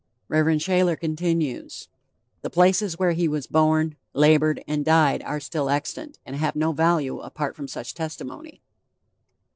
Rev. Shayler continues: "The places where he was born, labored and died are still extant, and have no value apart from such testimony."